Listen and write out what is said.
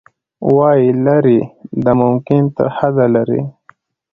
وايي، لیرې د ممکن ترحده لیرې